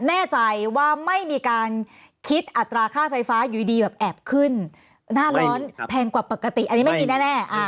แน่ใจว่าไม่มีการคิดอัตราค่าไฟฟ้าอยู่ดีแบบแอบขึ้นหน้าร้อนแพงกว่าปกติอันนี้ไม่มีแน่